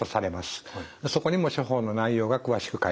そこにも処方の内容が詳しく書いてあります。